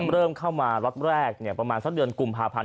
เริ่มเข้ามาล็อตแรกประมาณสักเดือนกุมภาพันธ์